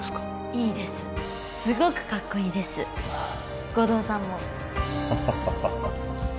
いいですすごくかっこいいです護道さんもハハハハハ